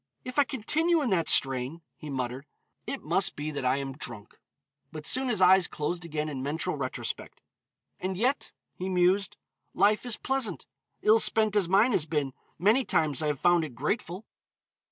"If I continue in that strain," he muttered, "it must be that I am drunk." But soon his eyes closed again in mental retrospect. "And yet," he mused, "life is pleasant; ill spent as mine has been, many times I have found it grateful.